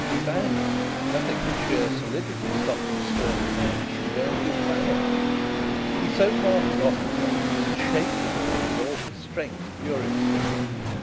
He banged. Nothing but sheer solidity stopped his sturdy hands from going through the panels. He so far forgot himself as to shake the doors with all his strength furiously.